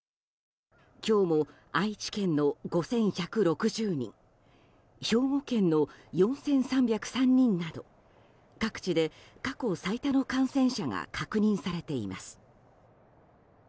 今日も愛知県の５１６０人兵庫県の４３０３人など各地で過去最多の感染者が確認されています。